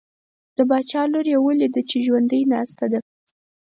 د باچا لور یې ولیده چې ژوندی ناسته ده.